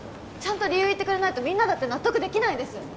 ちゃんと理由言ってくれないとみんなだって納得できないです